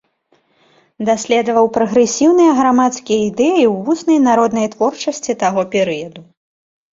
Даследаваў прагрэсіўныя грамадскія ідэі ў вуснай народнай творчасці таго перыяду.